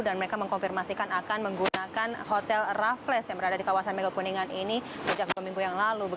dan mereka mengkonfirmasikan akan menggunakan hotel raffles yang berada di kawasan megakuningan ini sejak dua minggu yang lalu